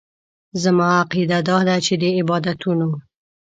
زما عقیده داده چې د عبادتونو.